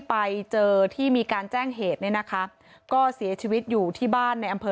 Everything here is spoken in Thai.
ไปเจอที่มีการแจ้งเหตุเนี่ยนะคะก็เสียชีวิตอยู่ที่บ้านในอำเภอ